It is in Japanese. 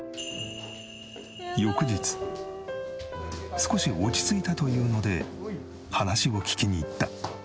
少し落ち着いたというので話を聞きにいった。